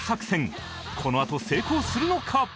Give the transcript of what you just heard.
このあと成功するのか？